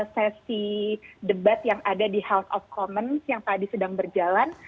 sesi debat yang ada di house of commons yang tadi sedang berjalan